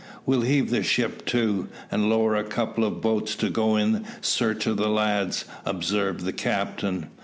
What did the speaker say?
"Well heave the ship to, and lower a couple of boats to go in search of the lads," observed the captain.